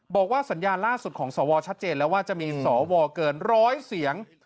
บอกว่าสัญญาล่าสุดของสวชัดเจนแล้วว่าจะมีสวเกินร้อยเสียง